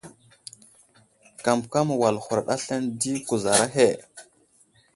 Kamkam wal huraɗ aslane di kuzar ahe.